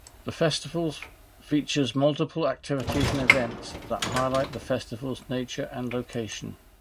The festival feature multiple activities and events that highlight the festival's nature and location.